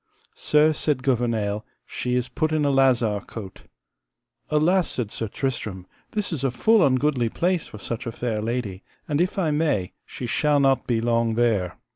Sir, said Gouvernail, she is put in a lazar cote. Alas, said Sir Tristram, this is a full ungoodly place for such a fair lady, and if I may she shall not be long there.